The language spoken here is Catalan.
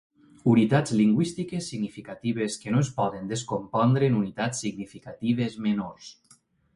Unitats lingüístiques significatives que no es poden descompondre en unitats significatives menors.